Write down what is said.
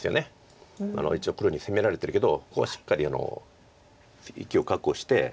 一応黒に攻められてるけどここはしっかり生きを確保して。